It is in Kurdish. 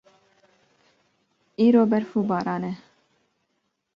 Îro berf û baran e.